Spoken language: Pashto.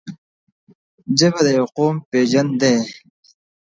ژبه د یو قوم پېژند دی.